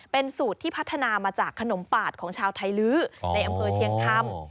เป็นสูตรที่พัฒนามาจากขนมปาดของชาวไทยลื้อในอำเภอเชียงคำ